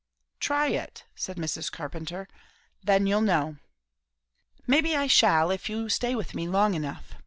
"Try it," said Mrs. Carpenter. "Then you'll know." "Maybe I shall, if you stay with me long enough.